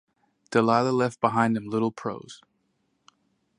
Delille left behind him little prose.